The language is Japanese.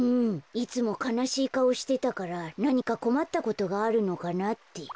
いつもかなしいかおしてたからなにかこまったことがあるのかなって。